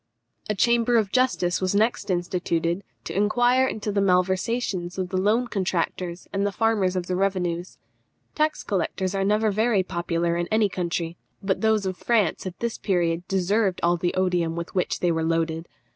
A Chamber of Justice was next instituted to inquire into the malversations of the loan contractors and the farmers of the revenues. Tax collectors are never very popular in any country, but those of France at this period deserved all the odium with which they were loaded.